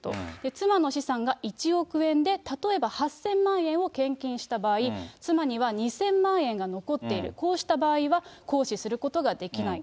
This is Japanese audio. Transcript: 妻の資産が１億円で例えば８０００万円を献金した場合、妻には２０００万円が残っている、こうした場合は行使することができない。